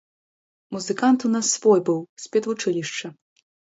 Музыкант у нас свой быў, з педвучылішча.